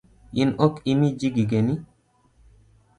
In ok imi ji gigeni?